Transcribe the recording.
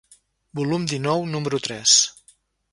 Volum dinou, número tres.